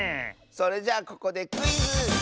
それじゃここでクイズ！